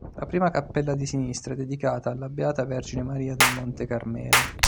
La prima cappella di sinistra è dedicata alla Beata Vergine Maria del Monte Carmelo.